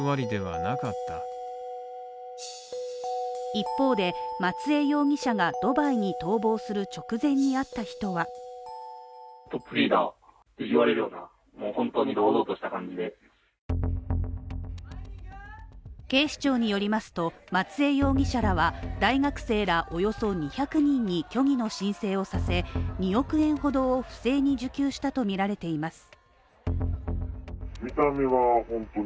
一方で、松江容疑者がドバイに逃亡する直前に会った人は警視庁によりますと松江容疑者らは大学生らおよそ２００人に虚偽の申請をさせ、２億円ほどを不正に受給したとみられています。